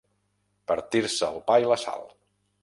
Partir-se el pa i la sal.